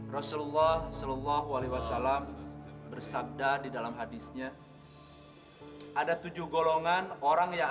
rasulullah shallallahu alaihi wasallam bersabda di dalam haditsnya ada tujuh golongan orang yang